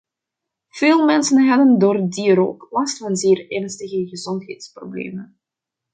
Veel mensen hadden door die rook last van zeer ernstige gezondheidsproblemen.